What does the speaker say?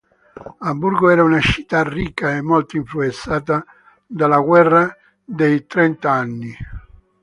Amburgo era una città ricca e molto influenzata dalla guerra dei trent'anni.